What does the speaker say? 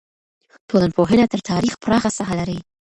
ټولنپوهنه تر تاریخ پراخه ساحه لري.